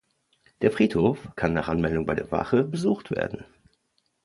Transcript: Der Friedhof kann nach Anmeldung bei der Wache besucht werden.